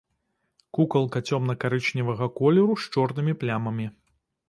Кукалка цёмна-карычневага колеру з чорнымі плямамі.